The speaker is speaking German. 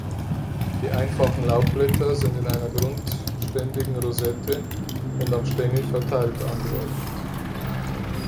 Die einfachen Laubblätter sind in einer grundständigen Rosette und am Stängel verteilt angeordnet.